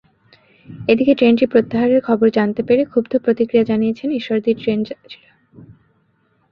এদিকে ট্রেনটি প্রত্যাহারের খবর জানতে পেরে ক্ষুব্ধ প্রতিক্রিয়া জানিয়েছেন ঈশ্বরদীর ট্রেন যাত্রীরা।